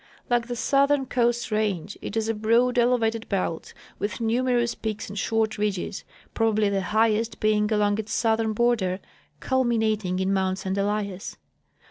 Like the southern coast range, it is a broad elevated belt with numerous peaks and short ridges, probably the highest being along its southern border, culminating in mount St Elias.